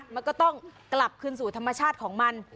มันก็ต้องกลับคืนสู่ธรรมชาติของมัน